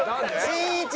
しんいち！